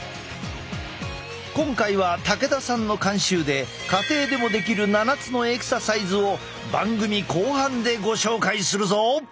今回は武田さんの監修で家庭でもできる７つのエクササイズを番組後半でご紹介するぞ！